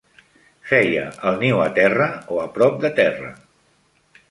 Feia el niu a terra o a prop de terra.